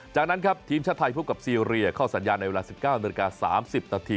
จากนั้นครับทีมชาติไทยพบกับซีเรียเข้าสัญญาณในเวลา๑๙นาฬิกา๓๐นาที